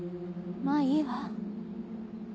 まぁいいわ。